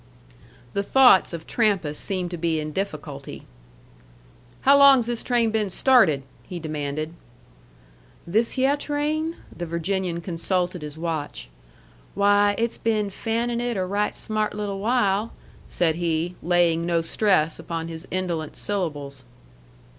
The thoughts of Trampas seemed to be in difficulty. "How long's this train been started?" he demanded. "This hyeh train?" The Virginian consulted his watch. "Why, it's been fanning it a right smart little while," said he, laying no stress upon his indolent syllables.